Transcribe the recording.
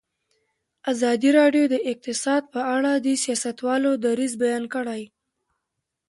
ازادي راډیو د اقتصاد په اړه د سیاستوالو دریځ بیان کړی.